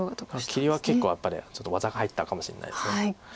切りは結構やっぱりちょっと技が入ったかもしれないです。